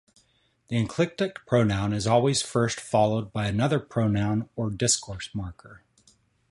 The enclitic pronoun is always first followed by another pronoun or discourse marker.